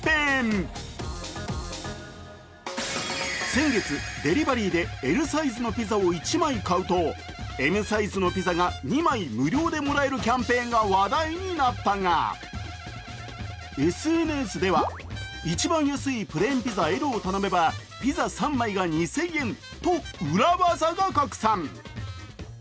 先月、デリバリーでＬサイズのピザを１枚買うとＭサイズのピザが２枚無料でもらえるキャンペーンが話題になったが、ＳＮＳでは、一番安いプレーンピザＬを頼めばピザ３枚が２０００円と裏技が拡散。